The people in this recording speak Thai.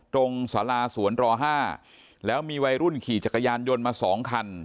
สาราสวนร๕แล้วมีวัยรุ่นขี่จักรยานยนต์มา๒คัน